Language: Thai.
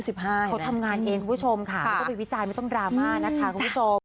เขาทำงานเองคุณผู้ชมค่ะไม่ต้องไปวิจารณ์ไม่ต้องดราม่านะคะคุณผู้ชม